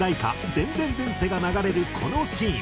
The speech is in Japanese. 『前前前世』が流れるこのシーン。